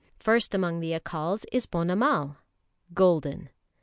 First among the Accals is Ponnamal (Golden).